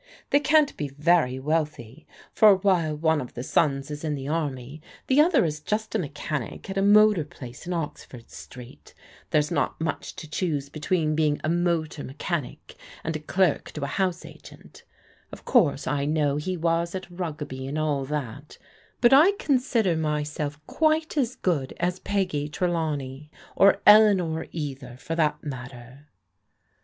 •'They n it u u PEG'S CARRYING ON 33 can't be very wealthy, for while one of the sons is in the army, the other is just a mechanic at a motor place in Oxford Street There's not much to choose between be ing a motor mechanic and a clerk to a house agent* Of course I know he was at Rugby and all that, but I con sider myself quite as good as Peggy Trelawney, or Elea nor either, for that matter."